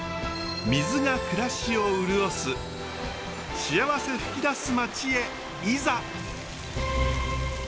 水が暮らしを潤す幸せ吹き出す町へいざ。